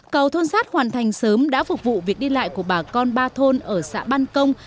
cầu thôn sát hoàn thành sớm đã phục vụ việc đi lại của bà con ba thôn ở xã ban công